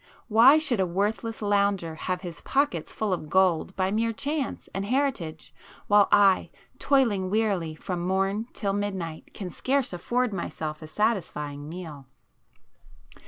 Why should a worthless lounger have his pockets full of gold by mere chance and heritage, while I, toiling wearily from morn till midnight, can scarce afford myself a satisfying meal?"